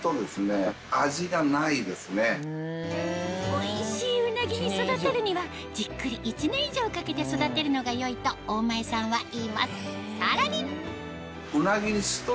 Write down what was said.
おいしいうなぎに育てるにはじっくり１年以上をかけて育てるのが良いと大前さんは言いますさらに！